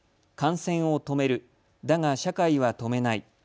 感染を止める、だが社会は止めない。